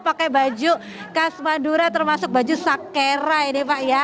pakai baju khas madura termasuk baju sakera ini pak ya